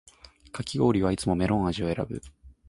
かき氷はいつもメロン味を選ぶ